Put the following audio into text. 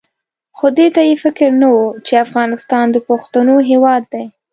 خو دې ته یې فکر نه وو چې افغانستان د پښتنو هېواد دی.